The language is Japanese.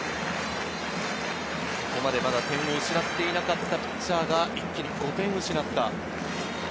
ここまで点を失っていなかったピッチャーが一気に５点を失った。